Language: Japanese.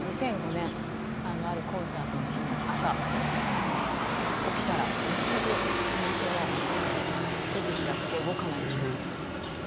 ２００５年あるコンサートの日の朝起きたら全く右手の手首から先が動かないっていう。